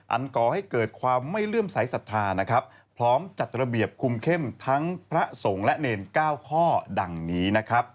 อันก่อให้เกิดความไม่เรื่องสายศรัทธาพร้อมจัดระเบียบคุมเข้มทั้งพระสงฆ์และเนร๙ข้อดังนี้